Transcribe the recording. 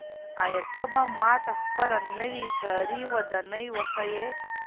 آیا ته به ماته خپله نوې کاري ودانۍ وښایې؟